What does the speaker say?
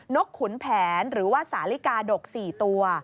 กขุนแผนหรือว่าสาลิกาดก๔ตัว